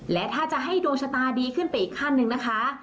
และถ้าจะให้ดวงชะตาดีขึ้นไปอีกขั้นหนึ่งนะคะ